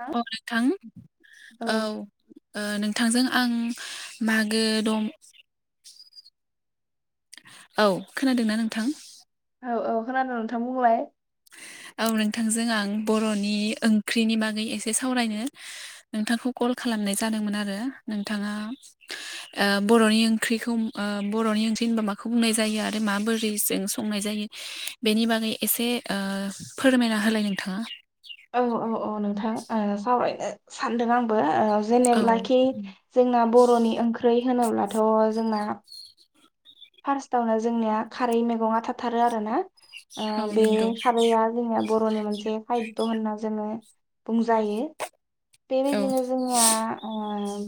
औ अ नोंथां औ ओ नोंथांजों आं मागो द औ खोनादोंना नोंथां? औ औ खोनादों नोंथां बुंलाय औ नोंथांजों आं बर'नि ओंख्रिनि बागै एसे सावरायनो नोंथांखौ कल खालाम नाय जादोंमोन आरो नोंथाङा ओ बर'नि ओंख्रिखौ ओ बर'नि ओंख्रि होनबा मा माखौ बुंनाय जायो आरो माबोरै जों संनाय जायो बेनि बागै एसे ओ फोरमायना होलाय नोंथाङा। औ औ औ नोंथां ओ सावरायनो सानदों आंबो ओ औ जेनेब्लाखि जोंना बर'नि ओंख्रि होनोब्लाथ' जोंना फार्स्टावनो जोंनिया खारै मैगं थाथारो आरो ना। ओ औ बे नंगौ खारैया जोंना बर'नि मोनसे खायद' होनना जोङो बुंजायो औ बेबायदिनो जोंनिया ओ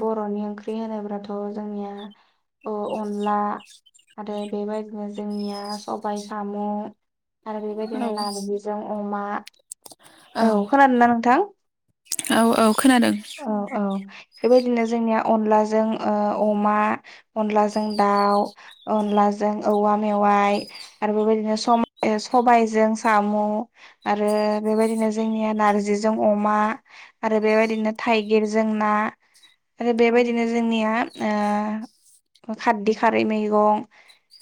बर'नि ओंख्रि होनोब्लाथ' जोंनिया अनला आरो बेबायदिनो जोंनिया सबाय साम' आरो औ बेबायदिनो नारजिजों अमा औ खोनादोंना नोंथां औ औ खोनादों औ औ बेबायदिनो जोंनिया अनलाजों ओ अमा अनलाजों दाउ अनलाजों औवा मेवाइ आरो बेबायदिनो सबायजों साम' आरो बेबायदिनो जोंनिया नारजिजों अमा आरो बेबायदिनो थाइगिर जों ना आरो औ बेबायदिनो जोंनिया ओ खारदै खारै मैगं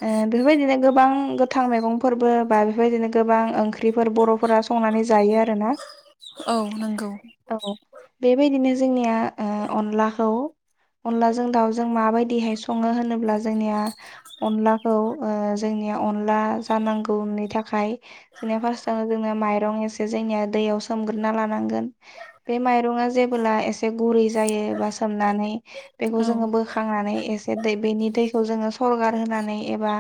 ओ बेफोरबायदिनो गोबां गोथां मैगंफोरबो बा बेफोरबायदिनो गोबां ओंख्रिफोर बर'फोरा संनानै जायो आरोना। औ नंगौ औ बेबायदिनो जोंनिया ओ अनलाखौ अनलाजों दाउजों माबायदिहाय सङो होनोब्ला जोंनिया अनलाखौ ओ जों जोंनिया अनला जानांगौनि थाखाय जोंनिया फार्सतावनो माइरं एसे जोंनिया दैयाव सो मग्रोना लानांगोन। माइरंया जेबोला एसे गुरै जायो एबा सोमनानै बेखौ औ जोङो बोखांनानै एसे दै बेनि दैखौ जोङो सरगार होनानै एबा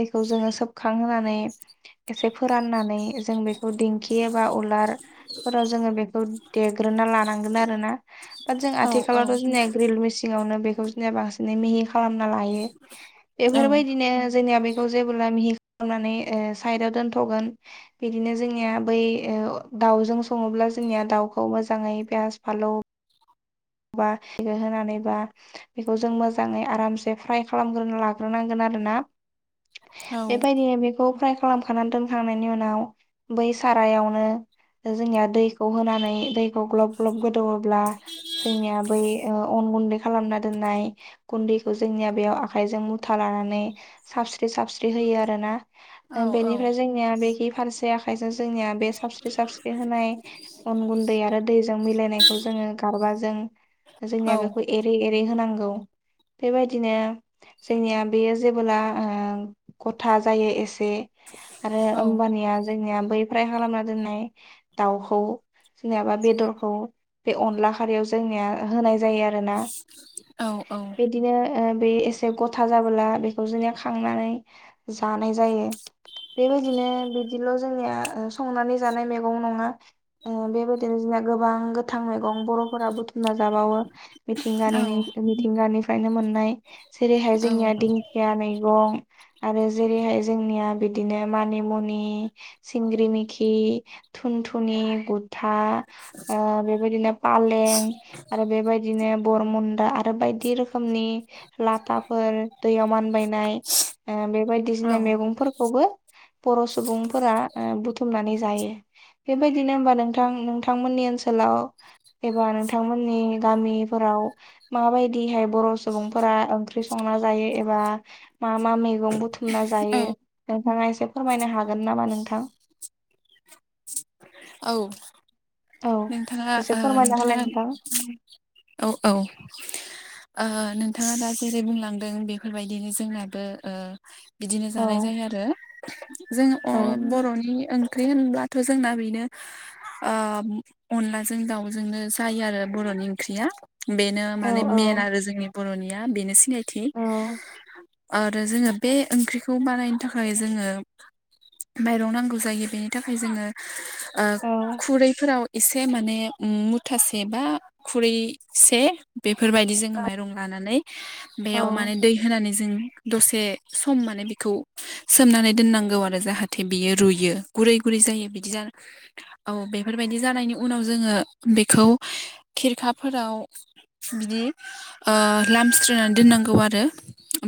दैखौ जोङो सोबखांहोनानै एसे फोराननानै जों बेखौ दिंखि एबा उलारफोराव जोङो बेखौ देग्रोना लानांगोन आरो ना बाट जों औ आथिखालावथ' जोंनिया ग्रिल मेसिनावनो बे बांसि मिहि खालामना लायो औ बेफोरबायदिनो जोंनिया बे बेखौ जेबोब्ला मिहिस खालामनानै साइदाव दोनथ'गोन बिदिनो जोंनिया बै। दाउजों सङोब्ला जोंनिया दाउखौ मोजाङै पियास फालौ होनानै बा बेखौ जों मोजाङै आरामसे फ्राय खालामग्रोनो लाग्रोनांगोन आ रोना औ बेबायदिनो बेखौ फ्राय खालामखानानै दोनखांनायनि उनाव बै सारायावनो। दा जोंनिया दैखौ होनानै दैखौ ग्लब ग्लब गोदौब्ला जोंनिया बै अन गुन्दै खालामना दोननाय गुन्दैखौ जोंनिया बेयाव आखायजों मुथा लानानै। लानानै सारस्रि सारस्रि होयो आरो ना औ बेनिफ्राय जोंनिया फारसे आखाइजों जोंनिया बे सारस्रि सारस्रि होनाय अन गुन्दै आरो दैजों मिलायनायखौ जों। गारबा जों औ जोंनिया बेखौ एरै एरै होनांगौ। बेबायदिनो जोंनिया बेयो जेबोला गथा जायो एसे आरो औ होमबानिया जोंनिया बै फ खालामना दोननाय दाउखौ। जेनयाबा बेदरखौ बे अनला खारियाव जोंनिया होनाय जायो आरोना। औ औ। बिदिनो बे एसे गथा जाबोला बेखौ जोंनिया खांनानै जानाय जायो बेबायदिनो बिदिल' जोंनिया संनानै जानाय मैगं नङा बेबायदिनो। गोबां गोथां मैगं बर' फोरा बुथुमना जाबावो औ मिथिंगानि मिथिंगानिफ्रायनो मोननाय जेरैहाय जोंनिया दिंखिया मैगं आरो जेरैहाय जोंनिया बिदिनो मानि मुनि सिंग्रि मिखि थुनथुनि गुथा ओ बेबायदिनो पालें। आरो बेबायदिनो बरमुन्दा आरो बायदि रोखोमनि लाफाफोर दैयाव मानबायनाय औ बेबायायदिसिना मैगंफोरखौबो बर' सुबुंफोरा बुथुमनानै जायो। बेबायदिनो हबा नोंथां नोंथांमोननि ओनसोलाव एबा नोंथांमोननि गामिफोराव माबायदिहाय बर' सुबुंफोरा ओंख्रि संनानै। जायो मा मा मै बुथुमना जायो नोंथाङा एसे फोरमायनो हागोन नामा? नोंथां। औ। औ नोंथाङा एसे फोरमायना नोंथाङा होलाय नोंथां। औ औ। नोंथाङा दा जेरै बुंलांदों बेफोरबायदिनो जोंनाबो। बिदिनो औ जानाय जायो आरो जों औ बर'नि ओं ओंख्रि होनब्लाथ' जोंना बेनो। अनलाजों दाउजोंनो जायो आरो बर'नि ओंख्रिया बेनो औ माने मेन आरो जोंनि। बर'निया बेनो सिनायथि औ आरो जोङो बे ओंख्रिखौ बानायनो थाखाय जोङो। माइरं नांगौ जायो बेनि थाखाय जोङो औ खुरैफोराव। एसे माने मुथासे बा खुरैसे बेफोरबायदि जोङो माइरं लानानै। बेयाव औ माने दै होनानै जों। दसे सम माने बिखौ सोमनानै दोननांगौ आरो जाहाथे बियो रुयो गुरै गुरै। जायो बिदि ज औ बेफोरबायदि जानायनि उनाव जोङो बेखौ खिरखाफोराव। बिदि लामस्रिनानै दोननांगौ आरो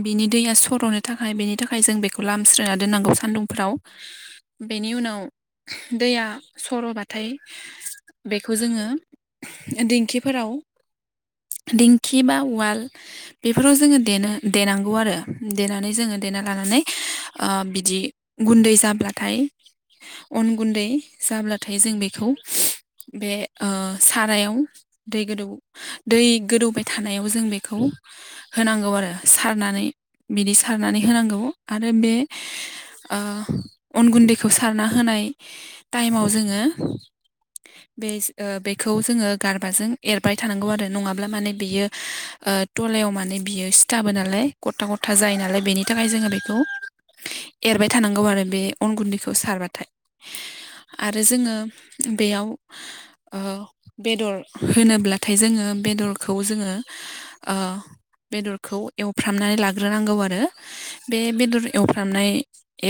बिनि दैया सर'नो थाखाय बेनि थाखाय जों बेखौ लामस्रोना दोननांगौ सान्दुंफोराव बेनि उनाव। दैया सर'बाथाय बेखौ जोङो दिेंखिफोराव दिंखि बा उवाल बेफोराव जोङो दनो देनांगौ आरो देनानै जोङो गना लानानै बिदि गुन्दै जाब्लाथाय अन गुन्दै जाब्लाथाय जों बेखौ बे सारायाव दै गोदौ दै गोदौबाय थानायाव जों बेखौ होनांगौ आरो सारनानै बिदि सारनानै होनांगौ आरो बे अन गुन्दैखौ सारना होनाय ताइमाव जोङो बे बेखौ जोङो गारबाजों एरबाय थानांगौ आरो नङाब्ला माने बेयो गलायाव माने बियो सिथाबो नालाय गथा गथा जायो नालाय बेनि थाखाय जोङो बेखौ एरबाय थानांगौ आरो बे अन गुन्दैखौ सारबाथाय आरो जोङो बेयाव ओ बेदर होनोब्लाथाय जोङो बेदरखौ जोङो ओ बेदरखौ एवफ्रामनानै लाग्रोनांगौ आरो बे बेदर एवफ्रामनाय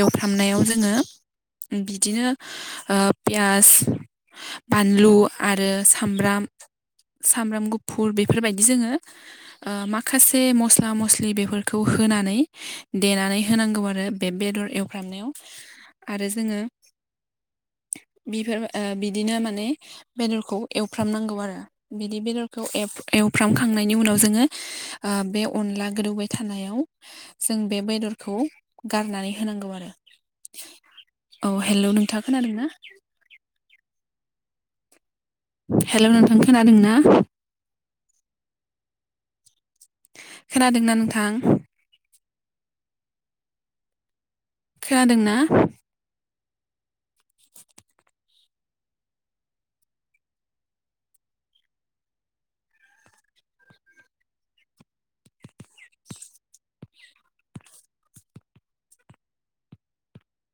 एवफ्राम नायाव जोङो बिदिनो ओ पियास बानलु आरो सामब्राम सामब्राम गुफुर बेफोरबायदि जोङो ओ माखासे मस्ला मस्लि बेफोरखौ हो होनानै देनानै होनांगौ आरो बे बेदर एवफ्रामनायाव आरो जोङो बेफोर ओ बिदिनो माने बेदरखौ एवफ्रामनांगौ आरो बिदि बेदरखौ एव एवफ्रामखां नायनि उनाव जोङो बे अनला गोदौबाय थानायाव जों बे बेदरखौ गारनानै होनांगौ आरो औ हेलौ नोंथाङा खोनादों ना? हेलौ नोंथां खोनादों ना? खोनादोंना नोंथां? खोनादों ना?